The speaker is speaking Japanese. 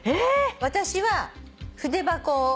「私は筆箱を。